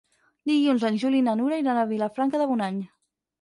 Dilluns en Juli i na Nura iran a Vilafranca de Bonany.